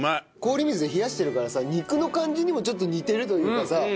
氷水で冷やしてるからさ肉の感じにもちょっと似てるというかさ。